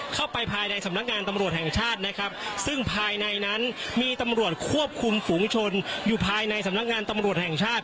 เข้าไปภายในสำนักงานตำรวจแห่งชาตินะครับซึ่งภายในนั้นมีตำรวจควบคุมฝุงชนอยู่ภายในสำนักงานตำรวจแห่งชาติ